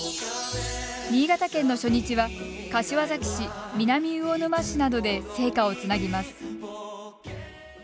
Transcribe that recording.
新潟県の初日は柏崎市南魚沼市などで聖火をつなぎます。